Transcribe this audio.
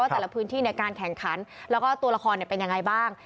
แต่ละพื้นที่ในการแข่งขันแล้วก็ตัวละครเป็นยังไงบ้าง